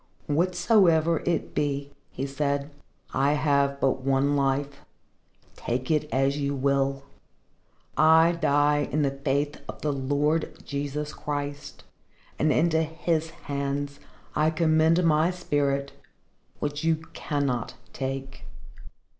"Whatsoever it be," he said, "I have but one life. Take it as you will. I die in the faith of the Lord Jesus Christ, and into His hands I commend my spirit which you cannot take."